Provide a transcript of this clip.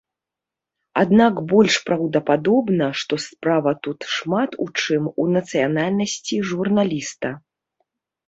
Аднак больш праўдападобна, што справа тут шмат у чым у нацыянальнасці журналіста.